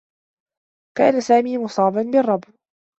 كان سامي مصابا بالرّبو.